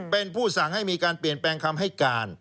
เป็นผู้สั่งให้มีการเปลี่ยนแปลงคำให้การ